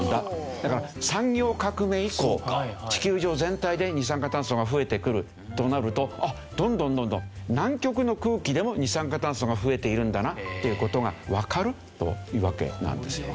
だから産業革命以降地球上全体で二酸化炭素が増えてくるとなるとどんどんどんどん南極の空気でも二酸化炭素が増えているんだなという事がわかるというわけなんですよね。